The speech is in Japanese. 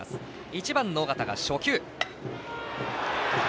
１番の緒方が初球。